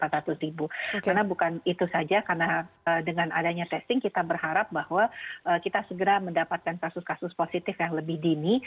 karena bukan itu saja karena dengan adanya testing kita berharap bahwa kita segera mendapatkan kasus kasus positif yang lebih dini